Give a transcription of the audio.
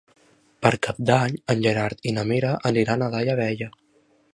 Per Cap d'Any en Gerard i na Mira aniran a Daia Vella.